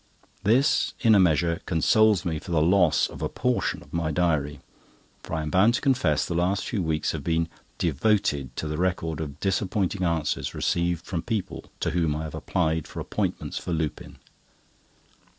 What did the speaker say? This, in a measure, consoles me for the loss of a portion of my diary; for I am bound to confess the last few weeks have been devoted to the record of disappointing answers received from people to whom I have applied for appointments for Lupin.